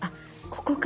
ここか。